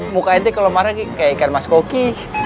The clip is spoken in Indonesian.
muka itu kalau marah kayak ikan mas koki